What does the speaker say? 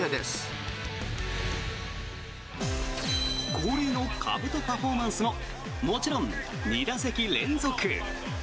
恒例のかぶとパフォーマンスももちろん２打席連続。